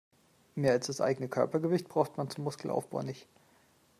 Mehr als das eigene Körpergewicht braucht man zum Muskelaufbau nicht.